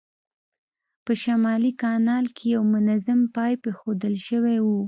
په شمالي کانال کې یو منظم پایپ اېښودل شوی و.